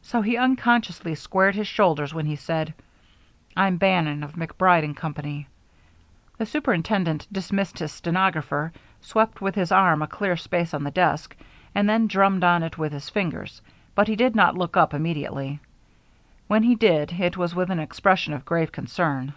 So he unconsciously squared his shoulders when he said, "I'm Bannon, of MacBride & Company." The superintendent dismissed his stenographer, swept with his arm a clear space on the desk, and then drummed on it with his fingers, but he did not look up immediately. When he did, it was with an expression of grave concern.